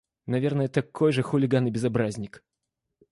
– Наверное, такой же хулиган и безобразник.